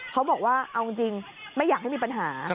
เขาบอกว่าเอาจริงไม่อยากให้มีปัญหา